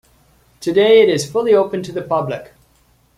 Today, it is fully open to the public.